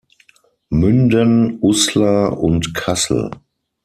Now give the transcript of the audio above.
Münden, Uslar und Kassel.